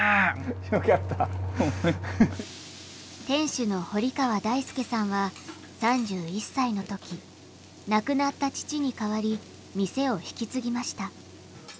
店主の堀川大輔さんは３１歳の時亡くなった父に代わり店を引き継ぎました。